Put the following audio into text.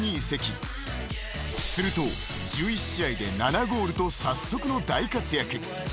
［すると１１試合で７ゴールと早速の大活躍］